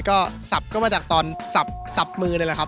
ก็สับก็มาจากตอนสับมือเลยแหละครับ